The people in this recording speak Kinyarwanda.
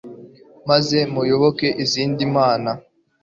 maze muyoboka izindi mana